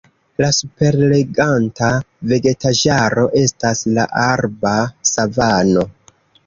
La superreganta vegetaĵaro estas la arba savano.